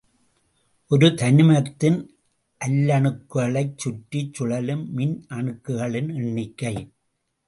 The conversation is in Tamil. ஒரு தனிமத்தின் அல்லணுக்களைச் சுற்றிச் சுழலும் மின்னணுக்களின் எண்ணிக்கை.